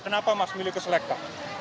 kenapa mas milih ke selekta